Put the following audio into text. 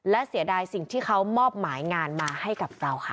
และเสียดายสิ่งที่เขามอบหมายงานมาให้กับเราค่ะ